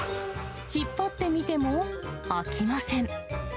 引っ張ってみても開きません。